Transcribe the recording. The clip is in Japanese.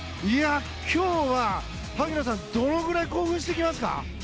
今日は萩野さんどれぐらい興奮していきますか？